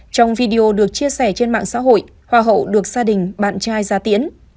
trong video được chia sẻ trên mạng xã hội hoa hậu được gia đình bạn trai gia tiến